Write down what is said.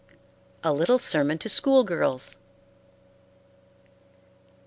A LITTLE SERMON TO SCHOOL GIRLS.